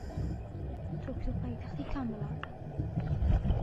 تۆکیۆ پایتەختی کام وڵاتە؟